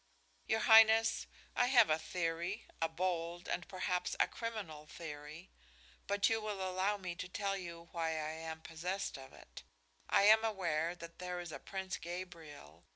"Your highness, I have a theory, a bold and perhaps a criminal theory, but you will allow me to tell you why I am possessed of it. I am aware that there is a Prince Gabriel.